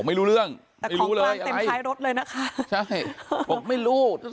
ไม่รู้เรื่องแต่ของกลางเต็มท้ายรถเลยนะคะใช่บอกไม่รู้